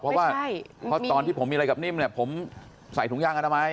เพราะว่าตอนที่ผมมีอะไรกับนิ่มเนี่ยผมใส่ถุงยางกันทำไม